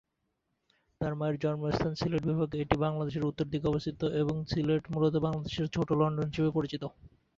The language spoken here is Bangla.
তার মায়ের জন্মস্থান সিলেট বিভাগ, এটি বাংলাদেশের উত্তর দিকে অবস্থিত এবং সিলেট মূলত বাংলাদেশের ছোট লন্ডন হিসেবে পরিচিত।